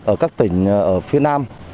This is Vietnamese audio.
ở các tỉnh ở phía nam